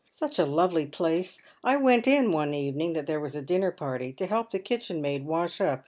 " Such a lovely place ! I went in one evening that there was a dinner party, to help the kitchenmaid wash up.